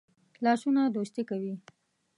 لاسونه دوستی کوي